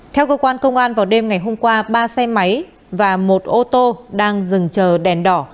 theo cơ quan công an vào đêm ngày hôm qua ba xe máy và một ô tô đang dừng chờ đèn đỏ